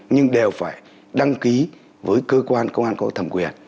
nhưng đều phải đăng ký với cơ quan công an có thẩm quyền